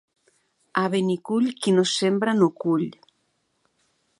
A Benicull qui no sembra no cull.